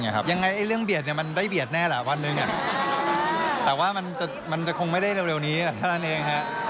ยังไงเรื่องเบียดมันได้เบียดแน่แหละวันหนึ่งแต่ว่ามันจะคงไม่ได้เร็วนี้เท่านั้นเองฮะ